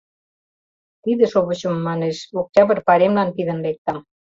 Тиде шовычым, — манеш, — Октябрь пайремлан пидын лектам.